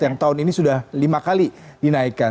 yang tahun ini sudah lima kali dinaikkan